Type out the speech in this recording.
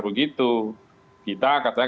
begitu kita katanya